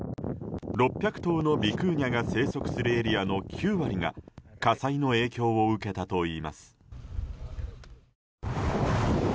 ６００頭のビクーニャが生息するエリアの９割が火災の影響を受けたといいます。